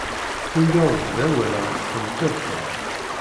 Tuwyed-d awal ɣef tenqiḍt-a.